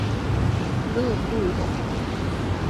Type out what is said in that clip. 勒布永。